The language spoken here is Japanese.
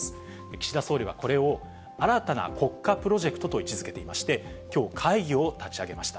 岸田総理はこれを、新たな国家プロジェクトと位置づけていまして、きょう、会議を立ち上げました。